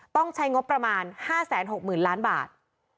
ต้องใช้งบประมาณ๕๖๐๐๐ล้านบาท